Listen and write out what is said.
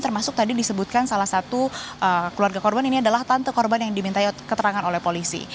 termasuk tadi disebutkan salah satu keluarga korban ini adalah tante korban yang diminta keterangan oleh polisi